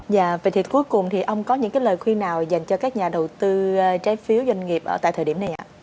và vậy thì cuối cùng thì ông có những lời khuyên nào dành cho các nhà đầu tư trái phiếu doanh nghiệp ở tại thời điểm này ạ